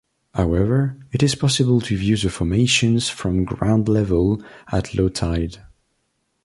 However, it is possible to view the formations from ground level at low tide.